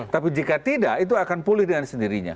tapi jika tidak itu akan pulih dengan sendirinya